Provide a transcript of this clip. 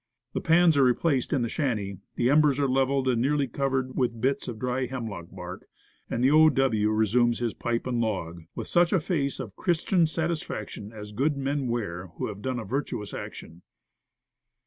The pans are replaced in the shanty, the embers are Clean Dishes. 79 leveled and nearly covered with bits of dry hemlock bark, and the O. W. resumes his pipe and log, "With such a face of Christian satisfaction, As good men wear, who have done a virtuous action."